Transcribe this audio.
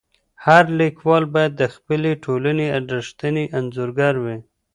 هر ليکوال بايد د خپلي ټولني رښتينی انځورګر وي.